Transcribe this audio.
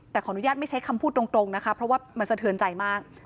แต่ขออนุญาตไม่ใช้คำพูดตรงนะคะเพราะว่ามันสะเทือนใจมาก